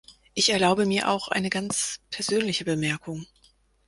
Ich erlaube mir auch eine ganz persönliche Bemerkung.